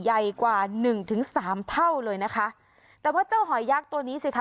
ใหญ่กว่าหนึ่งถึงสามเท่าเลยนะคะแต่ว่าเจ้าหอยยักษ์ตัวนี้สิคะ